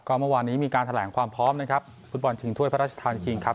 เมื่อวานนี้มีการแถลงความพร้อมนะครับฟุตบอลชิงถ้วยพระราชทานคิงครับ